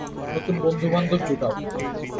নতুন বন্ধু-বান্ধব জুটাও।